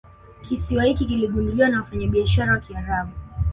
Kisiwa hiki kiligunduliwa na wafanyabiashara wa kiarabu